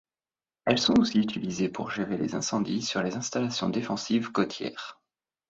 Elles sont aussi utilisées pour gérer les incendies sur les installations défensives côtières.